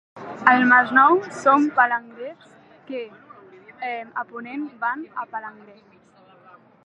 Al Masnou, són palangrers que a ponent van a palangre.